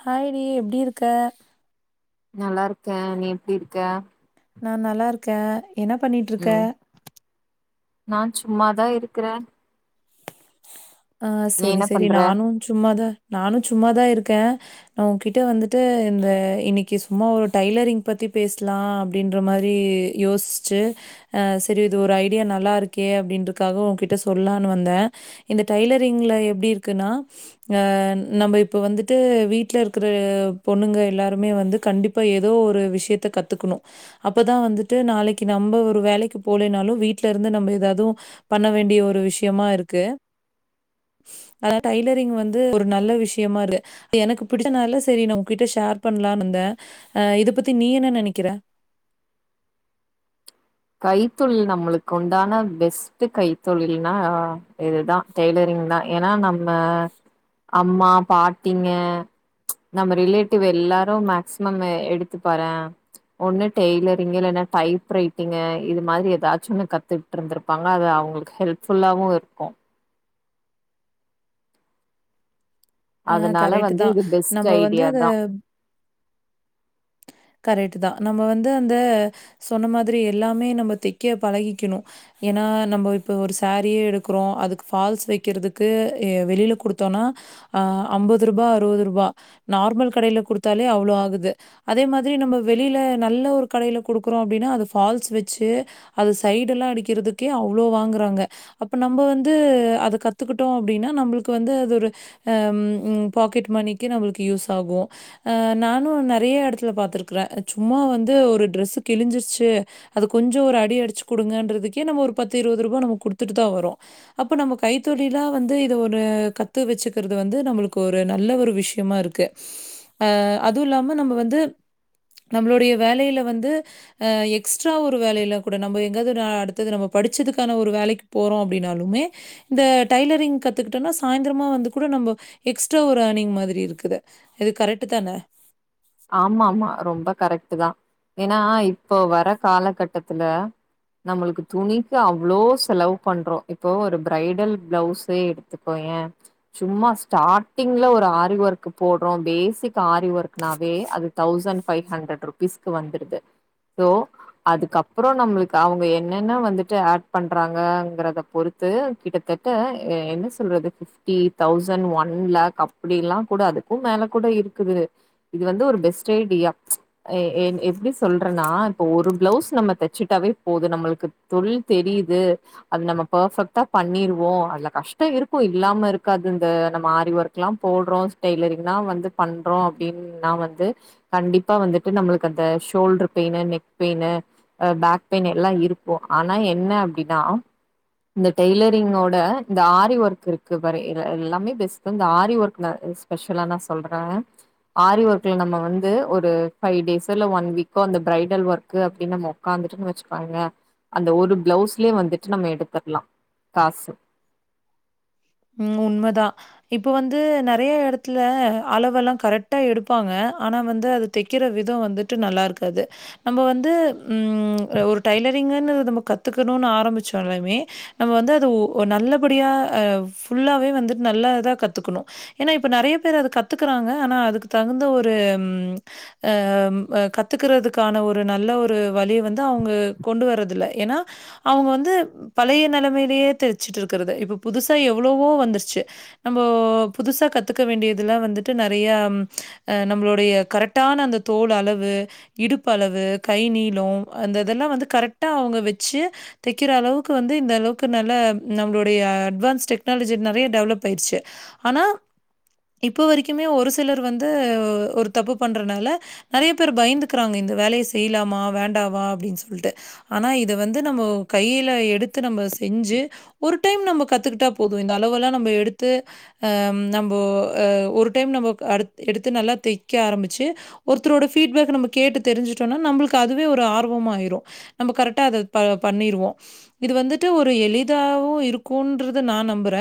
ஹாய்டி எப்டியிருக்க நல்லாருக்கே நீ எப்டிருக்க நா நல்லாருக்கே என்ன பண்ணிட்டுருக்க ம் நான் சும்மாதா இருக்குறே ஆஹ் நீ செரி என்ன செரி பண்ற நானு சும்மாதா நானோ சும்மாதாயிருக்கே நான் உன்கிட்ட வந்துட்டு இந்த இன்னிக்கு சும்மா ஒ டைலரிங் பத்தி பேசலா அப்டின்ற மாரி யோசுச்சு அஹ் செரி இது ஒரு ஐடியா நல்லாயிருக்கே அப்டின்றக்காக உன்கிட்ட சொல்லானு வந்தே இந்த டைலரிங்குல எப்டி இருக்குன்னா நம்ப இப்போ வந்துட்டு வீட்டுல இருக்குற பொண்ணுங்க எல்லாருமே வந்து கண்டிப்பா ஏதோ ஒரு விஷியத்தகத்துக்குணு அப்போதா வந்துட்டு நாளிக்கு நம்ப ஒரு வேலைக்கு போலேனாலோ வீட்டுலயிருந்து நம்ப எதாவது பண்ண வேண்டிய ஒரு விஷியமா இருக்கு அதா டைலரிங் வந்து ஒரு நல்ல விஷயமா [unintelligible] எனக்கு பிடிச்சதுனால சரி நா உன்கிட்ட ஷேர் பண்ணலானு இருந்தே ஆ இத பத்தி நீ என்ன நெனைக்கிற கைத்தொழில் நம்மளுக்கு உண்டான பெஸ்ட் கைத்தொழில்னா இதுதா டெய்லரிங்தா ஏனா நம்ம அம்மா பாட்டிங்க நம்ம ரிலேட்டிவ் எல்லாரும் மேக்சிமம் எடுத்து பாறே ஒண்ணு டெய்லரிங் இல்லனா டைப்ரைட் த்தீங்க இது மாதிரி ஏதாச்சு ஒன்னு கத்துட்ருந்திருப்பாங்க அது அவங்களுக்கு ஹெல்ப்ஃபுல்லாவு இருக்கு ஆ அதனால கரெக்ட்டு வந்து தான். இது பெஸ்ட் நம்ம வந்து ஐடியாதா கரெட்டுதா நம்ம வந்து அந்த சொன்ன மாதிரி எல்லாமே நம்ம தெக்க பழகிக்கணு ஏனா நம்ம இப்ப ஒரு சாரியே எடுக்குறோ அதுக்கு ஃபால்ஸ் வைக்கிறதுக்கு அ வெளியில குடுத்தோனா ஆ அம்பது ரூபா அறுவது ரூபா நார்மல் கடையில குடுத்தாலே அவ்ளோ ஆகுது அதே மாதிரி நம்ம வெளியில நல்ல ஒரு கடைல கொடுக்குறோ அப்படின்னா அது ஃபால்ஸ் வச்சு அது சைடு எல்லாம் அடிக்கிறதுக்கே அவ்ளோ வாங்குறாங்க அப்போ நம்ம வந்து அத கத்துக்கிட்டோம் அப்படின்னா நம்மளுக்கு வந்து அது ஒரு ஹ பாக்கெட் மணிக்கு நம்மளுக்கு யூஸ் ஆகும் ஆஹ் நானும் நெறைய இடத்து ல பாத்துருக்குற சும்மா வந்து ஒரு டிரஸ்ஸு கிழிஞ்சிருச்சு அது கொஞ்சோ ஒரு அடி அடிச்சு குடுங்கன்றதுக்கே நம்ம ஒரு பத்து இருபது ரூபா நம்ம குடுத்துட்டுதா வரோ அப்ப நம்ம கைத்தொழிலா வந்து இத ஒரு கத்து வச்சுக்கிறது வந்து நம்மளுக்கு ஒரு நல்ல ஒரு விஷயமா இருக்கு ஆ அதுவு இல்லாம நம்ம வந்து நம்மளுடைய வேலையில வந்து ஆ எக்ஸ்ட்ரா ஒரு வேலையில கூட நம்ப எங்காவதுனா அடுத்தது நம்ம படிச்சதுக்கான ஒரு வேலைக்கு போறோ அப்டின்னாலுமே இந்த டைலரிங் கத்துக்கிட்டோனா சாய்ந்திரமா வந்து கூட நம்ம எக்ஸ்ரா ஒரு ஏர்னிங் மாதிரி இருக்குது இது கரெக்ட்டு தான ஆமா ஆமா ரொம்ப கரெக்ட்டுதா ஏன்னா இப்போ வர காலகட்டத்துல நம்மளுக்கு துணிக்கு அவ்வளோ செலவ் பண்றோ இப்போ ஒரு பிரைடல் பிளவுசே எடுத்துக்கோயே சும்மா ஸ்டார்டிங்ல ஒரு ஆரி ஒர்க் போடுறோ பேசிக் ஆரி ஒர்க்ன வே அது தவுசன்ட் ஃபைவ் ஹண்ட்ரட் ருபீஸ்க்கு வந்துருது சோ அதுக்கப்றோ நம்மளுக்கு அவங்க என்னன்ன வந்துட்டு ஆட் பண்றாங்கங்கறத பொறுத்து கிட்டத்தட்ட எ என்ன சொல்றது ஃபிஃப்ட்டி தவுசன்ட் ஒன் லக் அப்டில்லா கூட அதுக்கும் மேல கூட இருக்குது இது வந்து ஒரு பெஸ்ட் ஐடியா எ எ எப்டி சொல்றேன்னா இப்போ ஒரு பிளவுஸ் நம்ம தச்சுட்டாவே போது நம்மளுக்கு தொல் தெரியுது அது நம்ம பர்ஃபெக்ட்டா பண்ணிருவோ அதுல கஷ்டோ இருக்கு இல்லாம இருக்காது இந்த நம்ம ஆரி ஒர்க்ல்லா போடுறோ ஸ்டெய்லரிங்ல்லா வந்து பண்றோ அப்டின் நா வந்து கண்டிப்பா வந்துட்டு நம்மளுக்கு அந்த ஷோல்டர் பெயினு நெக் பெயினு ஆ பேக் பெயினு எல்லா இருக்கு ஆனா என்ன அப்டின்னா இந்த டெய்லரிங்கோட இந்த ஆரி ஒர்க் இருக்கு பாரு எல் எல்லாமே பெஸ்டு இந்த ஆரி ஒர்க்க ஸ்பெஷலா நா சொல்றே ஆரி ஒர்க்ல நம்ம வந்து ஒரு ஃபைவ் டேஸோ இல்ல ஒன் வீக்கோ அந்த பிரைடல் ஒர்க்கு அப்படின்னு நம்ம உக்காந்துடோ வச்சுக்கோங்க அந்த ஒரு பிளவுஸ்லயே வந்துட்டு நம்ம எடுத்தரலாம் காசு உம் உண்மதா இப்ப வந்து நெறைய எடத்துல அளவெல்லா கரெக்டா எடுப்பாங்க ஆனா வந்து அத தெக்கிற விதோ வந்துட்டு நல்லா இருக்காது நம்ம வந்து உம் ஒரு டைலரிங்கன்னு நம்ம கத்துக்கணுமன்னு ஆரம்பிச்சாலுமே நம்ம வந்து அது ஒ நல்லபடியா ஆ ஃபுல்லாவே வந்துட் நல்லா இதா கத்துக்கணு ஏன்னா இப்ப நெறைய பேர் அத கத்துக்குறாங்க ஆனா அதுக்கு தகுந்த ஒரு ம் அம் ஆ கத்துக்கறதுக்கான ஒரு நல்ல ஒரு வழிய வந்து அவங்க கொண்டு வரது இல்ல ஏன்னா அவங்க வந்து பழைய நெலைமையிலேயே தெச்சுட்டு இருக்கிறது இப்ப புதுசு ப்போ எவ்வளவோ வந்துருச்சு நம்ம புதுசா கத்துக்க வேண்டியதுல்லா வந்துட்டு நெறைய ஆ நம்மளுடைய கரெக்டான அந்த தோள் அளவு இடுப்பு அளவு கை நீளோ அந்த இதெல்லா வந்து கரெக்டா அவங்க வச்சு தெக்கிற அளவுக்கு வந்து இந்தளவுக்கு நல்ல நம்மளுடைய அட்வான்ஸ் டெக்னாலஜி நெறைய டெவலப் ஆயிருச்சு ஆனா இப்ப வரைக்குமே ஒரு சிலர் வந்து ஒரு தப்பு பண்றனால நெறைய பேர் பயந்துக்கறாங்க இந்த வேலையை செய்யலாமா வேண்டாவா அப்டின்னு சொல்ட்டு ஆனா இத வந்து நம்ம கையில எடுத்து நம்ம செஞ்சு ஒரு டைம் நம்ம கத்துக்கிட்டா போதும் இந்த அளவுல்லா நம்ம எடுத்து ஆஹ் நம்போ ஒரு டைம் நம்ம எடுத்து நல்லா தெக்க ஆரம்பிச்சு ஒருத்தரோட ஃபீட்பேக் நம்ம கேட்டு தெரிஞ்சுட்டோம்னா நம்மளுக்கு அதுவே ஒரு ஆர்வமாயிரும் நம்ம கரெக்டா அத பா பண்ணிருவோ இது வந்துட்டு ஒரு எளிதாகவும் இருக்குன்ற து நா நம்புறே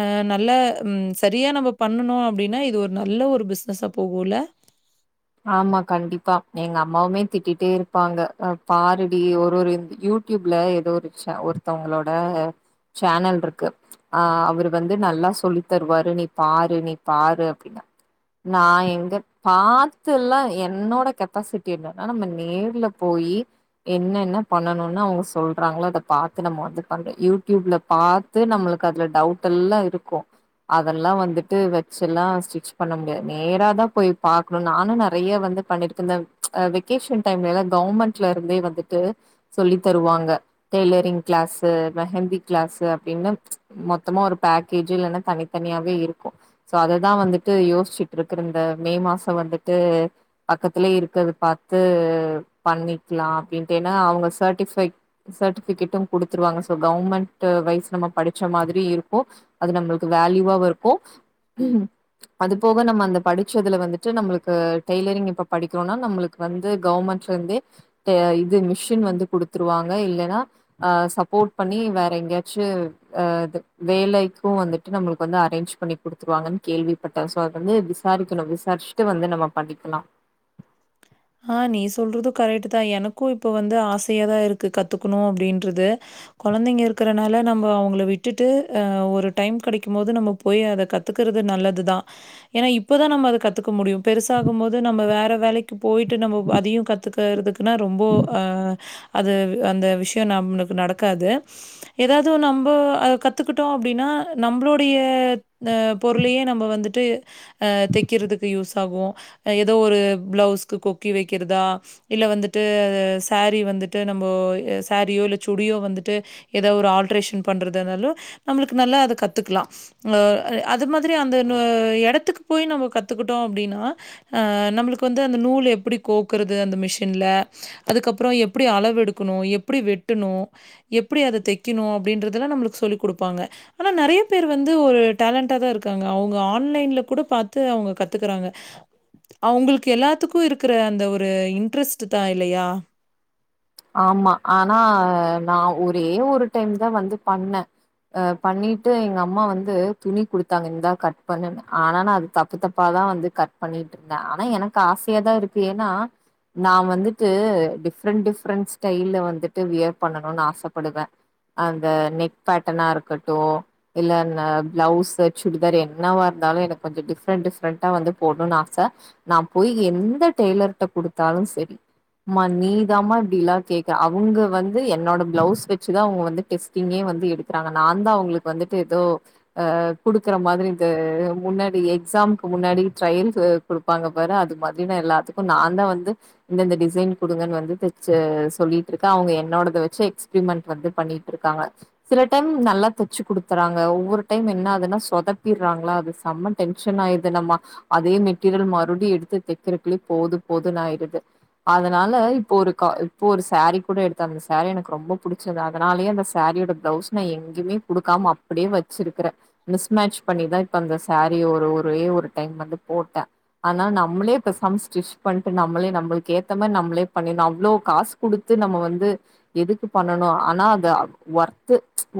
ஆ நல்ல ம் சரியா நம்ம பண்ணுனோ அப்டின்னா இது ஒரு நல்ல ஒரு பிசினஸா போகுல்ல ஆமா கண்டிப்பா எங்க அம்மாவுமே திட்டிட்டே இருப்பாங்க ஹ பாருடி ஒரு ஒரு யூடியூப்ல ஏதோ ஒரு ஷான் ஒருத்தவங்களோட சேனல் இருக்கு ஆஹ் அவரு வந்து நல்லா சொல்லி தருவாரு நீ பாரு நீ பாரு அப்படினு நான் எங்க பா த்தெல்லா என்னோட கெப்பாசிட்டி என்னன்னா நம்ம நேர்ல போயி என்ன என்ன பண்ணணுன்னு அவங்க சொல்றாங்களோ அத பாத்து நம்ம வந்து பண்ற யூடியூப்ல பாத்து நம்மளுக்கு அதுல டவுட் எல்லாம் இருக்கு அதெல்லா வந்துட்டு வச்சு எல்லா ஸ்டிச் பண்ண முடியாது நேராதா போய் பாக்கணுன் நானு நெறைய வந்து பண்ணிருக்க இந்த அ வெக்கேஷன் டைம்லெல்லா கவர்மெண்ட்ல இருந்தே வந்துட்டு சொல்லித் தருவாங்க டெய்லரிங் கிளாஸு மெஹந்தி கிளாஸு அப்டின்னு மொத்தமா ஒரு பேக்கேஜ் இல்லைன்னா தனித்தனியாவே இருக்கு சோ அததா வந்துட்டு யோசிச்சிட்ருக்கற இந்த மே மாசோ வந்துட் தே பக்கத்துல இருக்கறத பாத்து பண்ணிக்லா அப்டின்ட்டு ஏன்னா அவங்க சர்டிஃபைடு சர்டிஃபிகேட்டும் குடுத்துருவாங்க சோ கவர்மெண்ட்டு வைஸ் நம்ம படிச்ச மாதிரி இருக்கும் அது நம்ளுக்கு வேல்யூவாவு இருக்கும் அது போக நம்ம அந்த படிச்சதுல வந்துட்டு நம்மளுக் க்க டைலரிங் இப்ப படிக்குறோனா நம்முளுக்கு வந்து கவர்மென்ட்லிருந்தே ஆ இது மிசின் வந்து குடுத்துருவாங்க இல்லனா ஆ சப்போட் பண்ணி வேற எங்கயாச்சு ஆ இது வேலைக்கோ வந்துட்டு நம்முளுக்கு அரேஞ்ச் பண்ணி குடுத்துடுவாங்கனு கேள்விப்பட்டே சோ அது வந்து விசாரிக்கணு விசாரிச்சிட்டு வந்து ந நம்ம பண்ணிக்கலா ஆ நீ சொல்றது கரெக்ட்தா எனக்கு இப்ப வந்து ஆசையாதா இருக்கு கத்துக்கணு அப்டின்றது கொழந்தைங்க இருக்கறனால நம்ம அவங்கள விட்டுட்டு ஆ ஒரு டைம் கெடைக்கும்போது நம்ம போய் அத கத்துக்கிறது நல்லதுதா ஏன்னா இப்பதா நம்ம அத கத்துக்க முடியும் பெருசாகும் போது நம்ம வேற வேலைக் போயிட்டு நம்ம அதையு கத்துக்கிறதுக்குன்னா ரொம்போ அ அது அந்த விஷயோ நம்ளுக்கு நடக்காது ஏதாவது நம்போ அத கத்துக்கிட்டோ அப்டின்னா நம்பளுடைய ஆ பொருளையே நம்ப வந்துட்டு அ தெக்கிறதுக்கு யூஸ் ஆகும் ஏதோ ஒரு பிளவுஸ் க்கு கொக்கி வைக்கிறதா இல்ல வந்துட்டு சாரி வந்துட்டு நம்மோ அ சாரியோ இல்ல சுடியோ வந்துட்டு ஏதோ ஒரு ஆல்ட்ரேஷன் பண்றதா இருந்தாலு நம்மளுக்கு நல்லா அத கத்துக்கலா ஆ அ அது மாதிரி அந்த இன்ன எடத்துக்கு போய் நம்மோ கத்துக்கிட்டோ அப்டின்னா ஆ நம்மளுக்கு வந்து இந்த நூல் எப்டி கோக்குறது அந்த மிஷின்ல அதுக்கப்புறோ எப்டி அளவு எடுக்கணு எப்டி வெட்டணு எப்டி அத தைக்கணு அப்டின்றத எல்லாம் நம்மளுக்கு சொல்லிக் குடுப்பாங்க ஆனா நெறைய பேர் வந்து ஒரு டேலண்டாதா இருக்காங்க அவங்க ஆன்லைல கூட பாத்து அவங்க கத்துக்கறாங்க அவங்களுக்கு எல்லா த்துக்கு இருக்கிற அந்த ஒரு இன்ட்ரெஸ்ட்தா இல்லையா ஆமா ஆனா நா ஒரே ஒரு டைம்தா வந்து பண்ணே ஆ பண்ணிட்டு எங்க அம்மா வந்து துணி குடுத்தாங்க இந்தா கட் பண்ணுன்னு ஆனா நா அது தப்பு தப்பாதா வந்து கட் பண்ணிட்டுருந்தே ஆனா எனக்கு ஆசையாதா இருக்கு ஏன்னா நா வந்துட்டு டிஃப்ரெண்ட் டிஃப் ஃபிரெண்ட்ஸ் கைல வந்துட்டு வியர் பண்ணணுன்னு ஆசப்படுவே அந்த நெக் பேட்டனா இருக்கட்டு இல்லன பிளவுஸ் சுடிதார் என்னவா இருந்தாலு எனக்கு கொஞ்சோ டிஃப்ரெண்ட் டிஃப்ரெண்ட்டா வந்து போடணுன்னு ஆச நா போய் எந்த டெய்லர்கிட்ட குடுத்தாலும் சரி ம்மா நீதாம்மா ப்டில்லா கேக்க அவங்க வந்து என்னோட பிளவுஸ் வச்சுதா அவங்க வந்து டெஸ்டிங்கே வந்து எடுக்கறாங்க நான்தா அவங்களுக்கு வந்துட்டு ஏதோ ஆ குடுக்கற மாதிரி இது முன்னாடி எக்ஸாம்க்கு முன்னாடி ட்ரையல்சு குடுப்பாங்க பாரு அது மாதிரி எல்லாத்துக்கு நான்தா வந்து இந்த இந்த டிசைன் குடுங்கன்னு வந்து [unintelligible] சொ சொல்லி இருக்க அவங்க என்னோடத வச்சு எக்ஸ்பிரிமெண்ட் வந்துட் பண்ணிட்டு இருக்காங்க சில டைம் நல்லா தச்சு குடுத்தறாங்க ஒவ்வொரு டைம் என்னதுன்னா சொதப்பிறாங்களா அது செம்ம டென்ஷானயிது நம்ம அதே மெட்டீரியல் மறுபடி எடுத்து தைக்கறகுல போது போதுன்னாயிது அதனால இப்போ ஒரு கால் இப்போ ஒரு சாரி கூட எடுத்தங்க அந்த சாரி எனக்கு ரொம்ப பிடிச்சது அதனாலயே அந்த சாரியோட பிளவுஸ் நான் எங்கயுமே கொடுக்காம அப்படியே வச்சிருக்கிறே மிஸ்மேச் பண்ணிதா இப்ப அந்த சாரிய ஒரு ஒரே ஒரு டைம் வந்து போட்டே ஆன நம்மளே இப்ப சம் ஸ்டிச் பண்ட்டு நம்மளே நம்மளுக்கேத்தமா நம்ளே பண்ணில இவ்ளோ காசு குடுத்து நம்ம வந்து எதுக்கு பண்ணணு ஆனா அது ஒர்த்து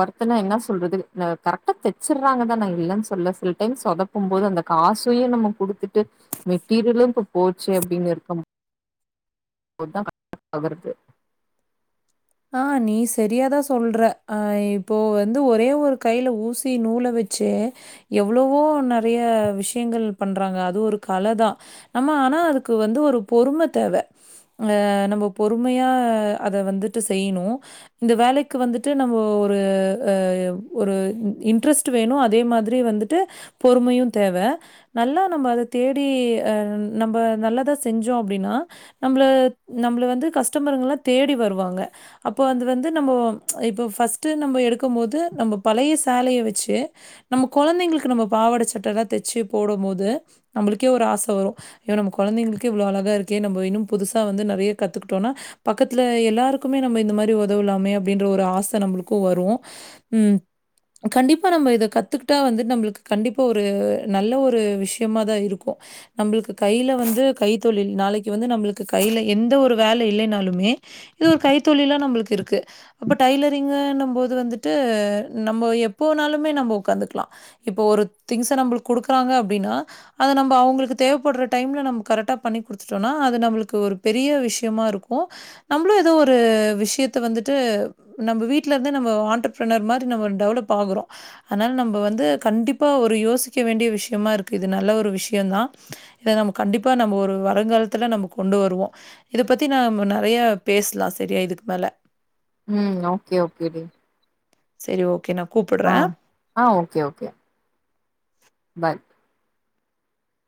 ஒர்த்துன்னா என்ன சொல்றது ஆ கரெட்டா தெச்சர்றாங்கதா நா இல்லைன்னு சொல்லல சில டைம்ஸ் சொதப்பும் போது அந்த காசையு நம்ம குடுத்துட்டு மெட்டீரியலு இப்ப போச்சே அப்டின்னு இருக்கும் [unintelligible] ஆ நீ செரியாதா சொல்ற ஆஹ் இப்போ வந்து ஒரே ஒரு கையில ஊசி நூல வச்செ எவ்வளவோ நெறைய விஷயங்கள் பண்றாங்க அது ஒரு கலதா நம்ம ஆனா அதுக்கு வந்து ஒரு பொறும தேவை அ நம்ம பொறுமையா அத வந்து த்து செய்யணு இந்த வேலைக்கு வந்துட்டு நம்மோ ஒரு ஆ ஒரு இன் இன்ட்ரஸ்ட்டு வேணு அதே மாதிரி வந்துட்டு பொறுமையு தேவ நல்லா நம்ம அத தேடி ஆ நம்ப நல்லதா செஞ்சோ அப்டினா நம்ல நம்ல வந்து கஸ்டமருக எல்லா தேடி வருவாங்க அப்ப அது வந்து நம்ம ச் இப்ப ஃபஸ்ட்டு நம்ம எடுக்கும் போது நம்ம பலைய சேலைய வச்செ நம்ம கொழந்தைங்களுக்கு நம்ம பாவாட சட்ட ல்லாம் தச்சு போடும் போது நம்மளுகே ஒரு ஆச வரும் இது நம்ம கொழந்தைங்களுக்கே இவ்வளோ அழகா இருக்கே நம்ம இன்னும் புதுசா வந்து நெறைய கத்துக்கிட்டோனா பக்கத்துல எல்லாரு க்குமே நம்ம இந்த மாரி உதவலாமே அப்டின்ற ஒரு ஆச நம்மளுக்கு வரு உம் கண்டிப்பா நம்ம இத கத்துக்கிட்டா வந்து நம்மளுக்கு கண்டிப்பா ஒரு நல்ல ஒரு விஷயமாதா இருக்கு நம்மளுக்கு கையில வந்து கைத்தொழில் நாளைக்கு வந்து நம்மளுக்கு கையில எந்த ஒரு வேலை இல்லைனாலுமே இது ஒரு கைத்தொழிலா நம்மளுக்கு இருக்கு அப்ப டைலரிங்கன்னும் போது வந்துட்டு நம்ம எப்போனாலுமே நம்ம உக்காந்துக்கலா இப்போ ஒரு திங்ச நம்மளுக்கு குடுக்குறாங்க அப்டின்னா அத நம்ப அவங்களுக்கு தேவைப்படுற டைம்ல நம்ம கரெக்டா பண்ணி குடுத்துட்டோன்னா அது நம்மளுக்கு ஒரு பெரிய விஷயமா இருக்கு நம்பளு அந்த ஒரு விஷயத்த வந்துட்டு நம்ப வீட்ல இருந்து நம்ம ஆண்டர்பர்னர் மாரி நம்ம டெவலப் ஆகுறோ அதனால நம்ப வந்து கண்டிப்பா ஒரு யோசிக்க வேண்டிய விஷயமா இருக்கு இது நல்ல ஒரு விஷயம்தா இத நம்ம கண்டிப்பா நம்ம ஒரு வருங்காலத்துல நம்ம கொண்டு வருவோ இத பத்தி நாம நெறைய பேசலா சரியா இதுக்கு மேலே உம் ஓகே ஓகே டி சரி ஓகே நா ஆஹ் ஆஹ் ஓகே ஓகே பாய்